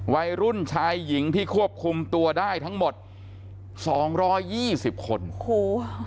วัยรุ่นชายหญิงที่ควบคุมตัวได้ทั้งหมดสองร้อยยี่สิบคนโอ้โห